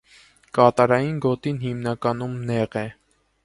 Կատարային գոտին հիմնականում նեղ է։